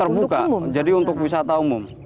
terbuka jadi untuk wisata umum